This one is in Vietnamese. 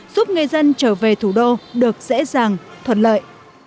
giúp người dân trở về thủ đô được dễ dàng thuận lợi